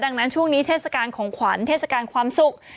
ดังนั้นช่วงนี้เทศกาลของขวัญเทศกาลความสุข